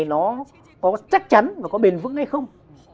cái này nó có chắc chắn nó có bền vững hay không